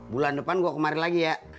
bulan depan gue kemarin lagi ya